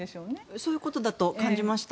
そういうことだと感じました。